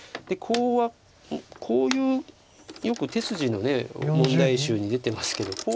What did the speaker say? コウはこういうよく手筋の問題集に出てますけど。